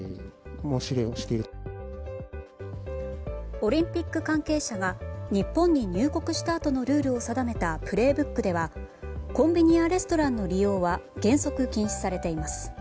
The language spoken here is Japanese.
オリンピック関係者が日本に入国したあとのルールを定めた「プレイブック」ではコンビニやレストランの利用は原則禁止されています。